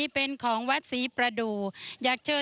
เป็นไงนี่โอ้โห